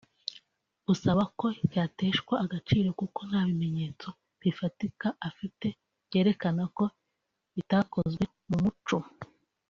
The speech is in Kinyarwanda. busaba ko cyateshwa agaciro kuko nta bimenyetso bifatika afite byerekana ko bitakozwe mu mucyo